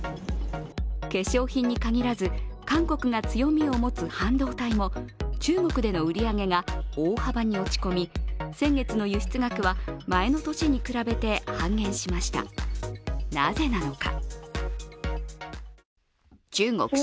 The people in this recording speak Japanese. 化粧品に限らず韓国が強みを持つ半導体も、中国での売り上げが大幅に落ち込み、先月の輸出額は前の年に比べて半減しました、なぜなのか？